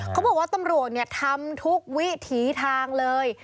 เขาบอกว่าตำรวจทำทุกวิถีทางเลย